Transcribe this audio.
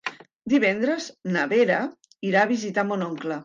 Divendres na Vera irà a visitar mon oncle.